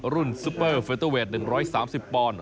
รุ่นซุปเปอร์เฟิลเตอร์เวท๑๓๐ปอนด์